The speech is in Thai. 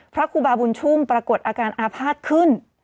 พระครูบาบุญชุ่มปรากฏอาการอาภาษณ์ขึ้น